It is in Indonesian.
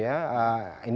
ini yang kemudian diberikan